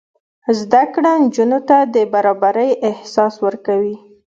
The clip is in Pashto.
زده کړه نجونو ته د برابرۍ احساس ورکوي.